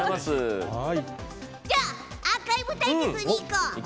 じゃあアーカイブ対決にいこう。